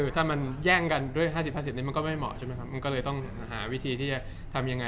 ถ้ามันแย่งกัน๕๐๕๐ไม่เหมาะต้องหาวิธีที่จะทำอย่างไร